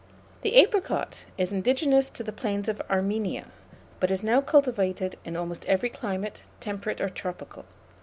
The apricot is indigenous to the plains of Armenia, but is now cultivated in almost every climate, temperate or tropical.